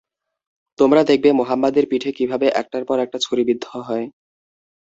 তোমরা দেখবে, মুহাম্মাদের পিঠে কিভাবে একটার পর একটা ছুরি বিদ্ধ হয়।